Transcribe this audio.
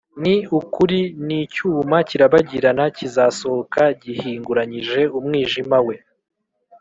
ni ukuri n’icyuma kirabagirana kizasohoka gihinguranije umwijima we,